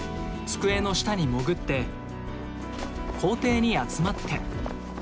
机の下に潜って校庭に集まって。